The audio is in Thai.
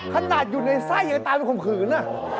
ขนาดอยู่ในไส้ยังตามไปข่มขืน